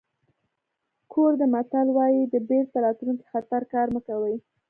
کوردي متل وایي د بېرته راتلونکي خطر کار مه کوئ.